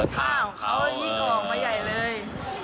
ข้าวของเขายิ่งออกมาใหญ่เลย